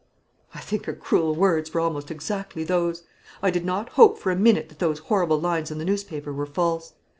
"I think her cruel words were almost exactly those. I did not hope for a minute that those horrible lines in the newspaper were false.